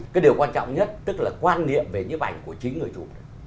cái điều quan trọng nhất tức là quan niệm về những vảnh của chính người chủ